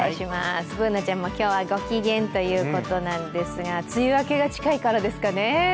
Ｂｏｏｎａちゃんも今日はご機嫌ということなんですが梅雨明けが近いからですかね？